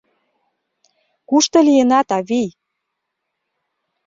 Кушто лийынат, авий?